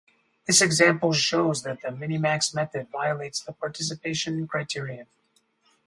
This example shows that the Minimax method violates the Participation criterion.